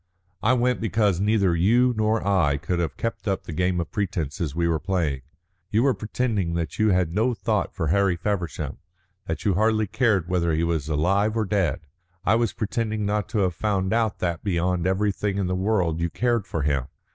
"I went because neither you nor I could have kept up the game of pretences we were playing. You were pretending that you had no thought for Harry Feversham, that you hardly cared whether he was alive or dead. I was pretending not to have found out that beyond everything in the world you cared for him.